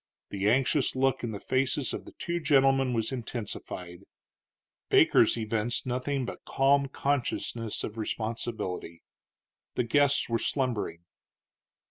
The anxious look in the faces of the two gentlemen was intensified; Baker's evinced nothing but calm consciousness of responsibility. The guests were slumbering.